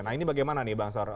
nah ini bagaimana nih bangsar